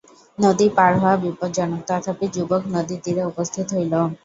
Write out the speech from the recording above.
নদী পার হওয়া বিপজ্জনক, তথাপি যুবক নদীতীরে উপস্থিত হইল।